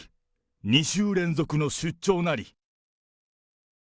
２週連続の出張なり。